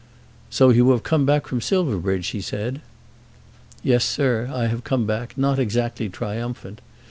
"So you have come back from Silverbridge?" he said. "Yes, sir; I have come back, not exactly triumphant.